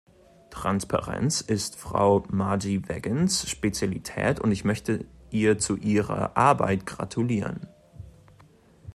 Transparenz ist Frau Maij-Weggens Spezialität und ich möchte ihr zu ihrer Arbeit gratulieren.